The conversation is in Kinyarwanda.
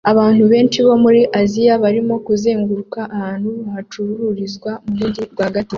Abantu benshi bo muri Aziya barimo kuzenguruka ahantu hacururizwa mumujyi rwagati